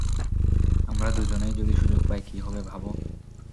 আমরা দুইজনেই যদি সুযোগ পাই, কী হবে, ভাবো?